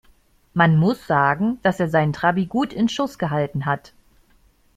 Man muss sagen, dass er seinen Trabi gut in Schuss gehalten hat.